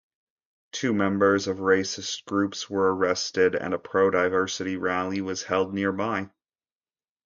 Two members of racist groups were arrested, and a pro-diversity rally was held nearby.